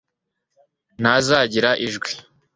ntazagira ijwi